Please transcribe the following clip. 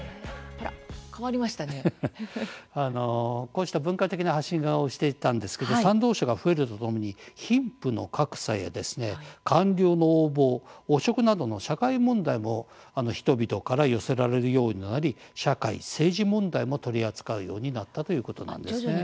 こうした文化的な発信をしていたんですけど賛同者が増えるとともに貧富の格差や、官僚の横暴汚職などの社会問題も人々から寄せられるようになり社会、政治問題も取り扱うようになったということなんですね。